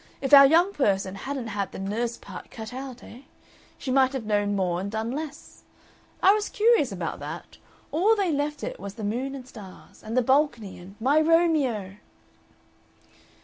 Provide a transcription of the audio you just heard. If our young person hadn't had the nurse part cut out, eh? She might have known more and done less. I was curious about that. All they left it was the moon and stars. And the balcony and 'My Romeo!